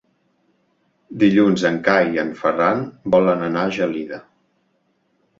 Dilluns en Cai i en Ferran volen anar a Gelida.